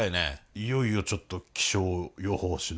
いよいよちょっと気象予報士の。